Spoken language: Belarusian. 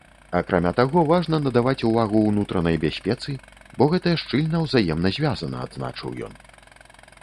Акрамя таго, важна надаваць увагу ўнутранай бяспецы, бо гэта шчыльна ўзаемна звязана, адзначыў ён.